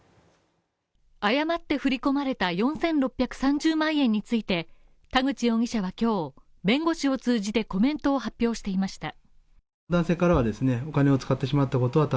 誤って振り込まれた４６３０万円について田口容疑者は今日弁護士を通じてコメントを発表していました。